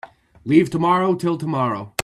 Leave tomorrow till tomorrow.